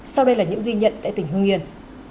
sau đây là những ghi nhận tại tỉnh hương yên